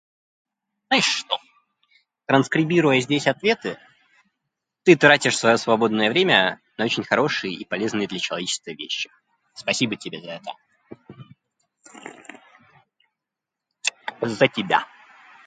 Знаешь что? Транскрибируя здесь ответы ты тратишь своё свободное время на очень хорошие и полезные для человечества вещи. Спасибо тебе за это!.. За тебя!